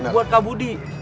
buat kak budi